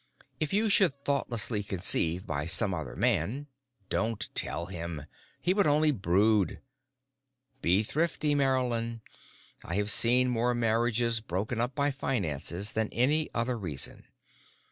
If you should thoughtlessly conceive by some other man, don't tell him. He would only brood. Be thrifty, Marylyn. I have seen more marriages broken up by finances than any other reason.